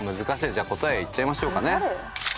じゃあ答え言っちゃいましょうかね。